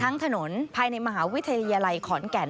ทั้งถนนภายในมหาวิทยาลัยขอนแก่น